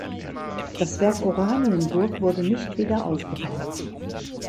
Das Werk Oranienburg wurde nicht wieder aufgebaut.